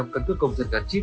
cân cước công dân gắn chip